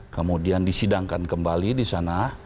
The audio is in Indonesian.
kemudian disidangkan kembali disana